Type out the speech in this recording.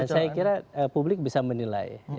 saya kira publik bisa menilai